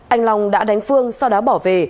anh long đã đánh phương sau đó bỏ về